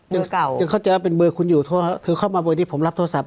เบอร์เก่ายังเขาจะว่าเป็นเบอร์คุณอยู่โทรเข้ามาเมื่อนี้ผมรับโทรศัพท์